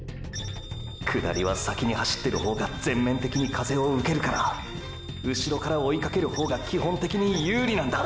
「下り」は先に走ってる方が全面的に風をうけるからうしろから追いかける方が基本的に有利なんだ。